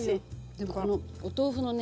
でもこのお豆腐のね